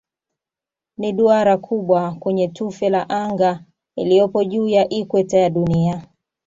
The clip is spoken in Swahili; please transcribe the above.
Ni duara kubwa kwenye tufe la anga iliyopo juu ya ikweta ya Dunia.